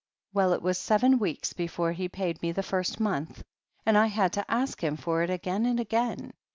Well, it was seven weeks before he paid me the first month, and I had to ask him for it again and again.